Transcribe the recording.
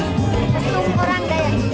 kostum orang daya